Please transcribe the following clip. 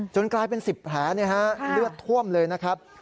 กลายเป็น๑๐แผลเลือดท่วมเลยนะครับ